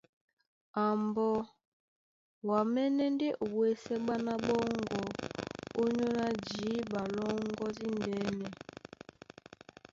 A mbɔ́, wǎmɛ́nɛ́ ndé o ɓwésɛ́ ɓána ɓɔ́ŋgɔ̄ ónyólá jǐɓa lɔ́ŋgɔ̄ díndɛ́nɛ.